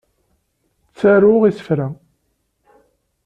Ttaruɣ isefra.